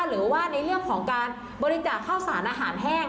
หรือว่าในเรื่องของการบริจาคข้าวสารอาหารแห้ง